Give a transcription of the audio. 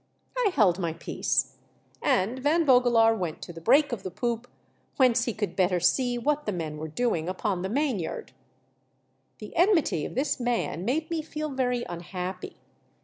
I held my peace, and Van Vogelaar went to the break of the poop, whence he could better see what the men were doing upon the rnain yard. The enmity of this man made me feel very unhappy.